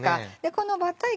このバッター液